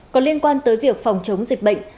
còn liên quan tới việc phòng chống dịch bệnh